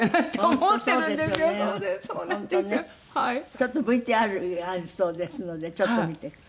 ちょっとＶＴＲがあるそうですのでちょっと見て。